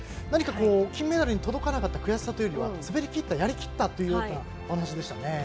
何か金メダルに届かなかった悔しさというよりは滑りきった、やりきったというお話でしたね。